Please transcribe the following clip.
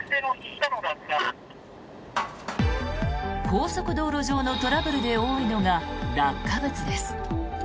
高速道路上のトラブルで多いのが、落下物です。